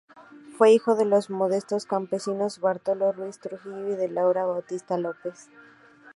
Fue hijo de los modestos campesinos Bartolo Ruiz Trujillo y de Laura Bautista López.